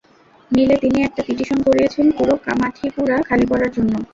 মিলে তিনি একটা পিটিশন করিয়েছেন, পুরো কামাঠিপুরা খালি করার জন্য!